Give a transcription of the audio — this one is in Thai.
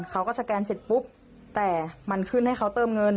สแกนเสร็จปุ๊บแต่มันขึ้นให้เขาเติมเงิน